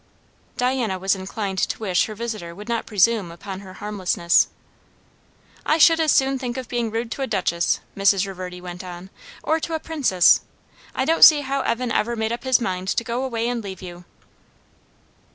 Diana was inclined to wish her visitor would not presume upon her harmlessness. "I should as soon think of being rude to a duchess," Mrs. Reverdy went on; "or to a princess. I don't see how Evan ever made up his mind to go away and leave you."